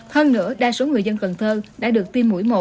hơn nữa đa số người dân cần thơ đã được tiêm mũi một